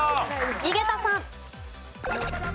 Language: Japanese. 井桁さん。